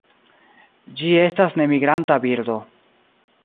Ĝi estas nemigranta birdo.